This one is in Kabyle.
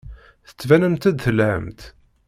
Tettbanemt-d telhamt.